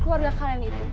keluarga kalian itu